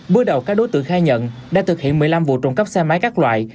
bước đầu các đối tượng khai nhận đã thực hiện một mươi năm vụ trộm cắp xe máy các loại